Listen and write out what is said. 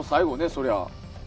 そりゃあ。